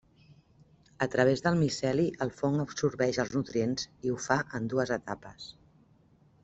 A través del miceli el fong absorbeix els nutrients i ho fa en dues etapes.